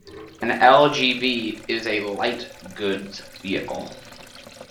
An L-G-V is a light goods vehicle.